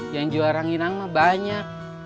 yang jual rangginangnya banyak